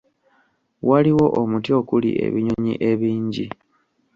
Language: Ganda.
Waliwo omuti okuli ebinyonyi ebingi.